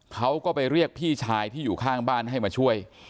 เขาก็ไปเรียกพี่ชายที่อยู่ข้างบ้านให้มาช่วย